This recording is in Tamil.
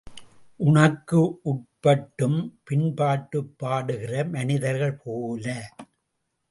உனக்கு உட்பட்டும் பின்பாட்டுப் பாடுகிற மனிதர்கள் போல.